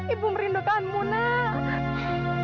ibu merindukanmu nak